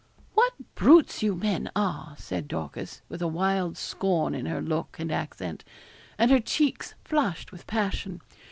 'What brutes you men are!' said Dorcas, with a wild scorn in her look and accent, and her cheeks flushed with passion.